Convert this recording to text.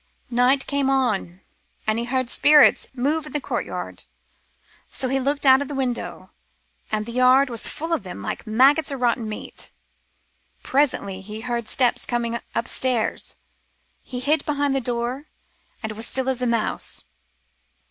Night came on, and he heard spirits move i' t' courtyard ; so he looked out o' t' window, and t' yard was full of them, like maggots i' rotten meat. " Presently he heard steps coming upstairs. He hid behind t' door, and was still as a mouse.